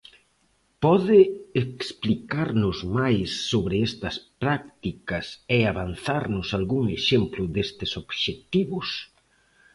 Pode explicarnos máis sobre estas prácticas e avanzarnos algún exemplo destes obxectivos?